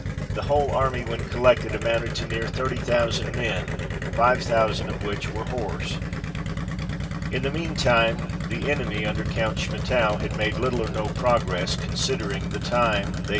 The whole army, when collected, amounted to near thirty thousand men, five thousand of which were horse. In the mean time, the enemy under Count Schmettau had made little or no progress, considering the time they 1 i st of December, 1900.